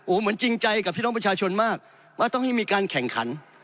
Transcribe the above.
เหมือนจริงใจกับพี่น้องประชาชนมากว่าต้องให้มีการแข่งขัน